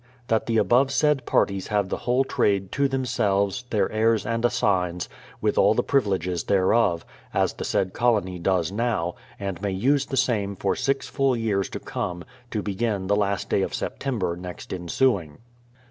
That the above said parties have the whole trade to them selves, their heirs and assigns, with all the privileges thereof, as the said colony does now, and may use the same for six full years to come, to begin the last day of September next ensuing.